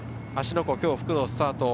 湖、今日、復路スタート。